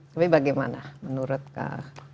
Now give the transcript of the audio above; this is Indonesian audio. tapi bagaimana menurut kang emil